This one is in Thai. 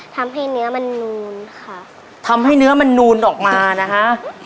ทำให้เนื้อมันนูนค่ะทำให้เนื้อมันนูนออกมานะคะ